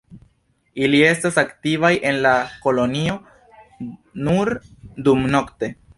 Ili estas aktivaj en la kolonio nur dumnokte.